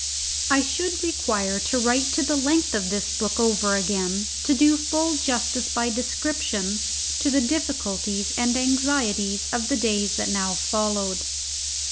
I should require to write to the length of this book over again to do full justice by description to the difficulties and anxieties of the days that now followed.